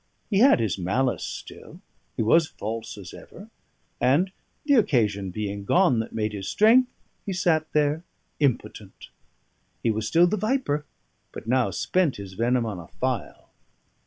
He had his malice still; he was false as ever; and, the occasion being gone that made his strength, he sat there impotent; he was still the viper, but now spent his venom on a file.